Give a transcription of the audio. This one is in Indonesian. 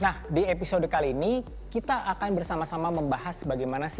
nah di episode kali ini kita akan bersama sama membahas bagaimana sih